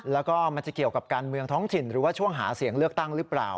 แล้วก็มันจะเกี่ยวกับการเมืองท้องถิ่นหรือว่าช่วงหาเสียงเลือกตั้งหรือเปล่า